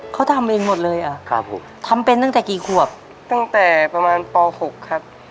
เขาทำเองหมดเลยอ่ะครับผมทำเป็นตั้งแต่กี่ขวบตั้งแต่ประมาณป๖ครับ